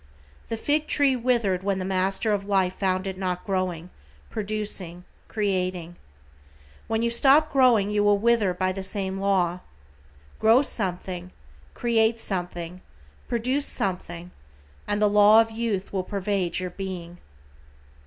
The fig tree withered when the Master of Life found it not growing, producing, creating. When you stop growing you will wither by the same law. Grow something, create something, produce something and the law of youth will pervade your Being.